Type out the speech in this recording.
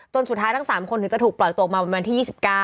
ตอนสุดท้ายทั้งสามคนถึงจะถูกปล่อยตัวมาวันที่๒๙